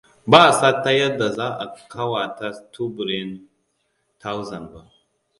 Ba san ta yadda zan ƙawata tsuburin Thousand ba.